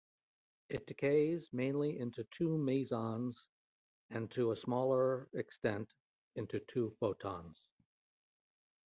It decays mainly into two mesons, and to a smaller extent into two photons.